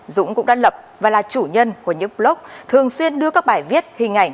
dũng cũng đã lập và là chủ nhân của những blog thường xuyên đưa các bài viết hình ảnh